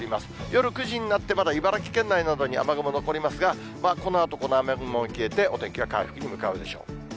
夜９時になってまだ茨城県内などに雨雲残りますが、このあと、この雨雲消えて、お天気が回復に向かうでしょう。